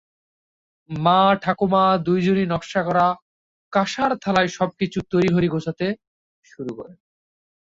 মা, ঠাকুমা দুজনই নকশা করা কাঁসার থালায় সবকিছু তড়িঘড়ি গোছাতে শুরু করেন।